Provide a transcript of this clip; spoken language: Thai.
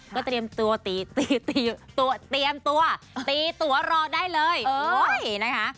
ก็เตรียมตัวตีตัวเตรียมตัวตีตัวรอได้เลยโอ้ยนะคะ